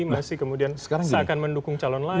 masih kemudian seakan mendukung calon lain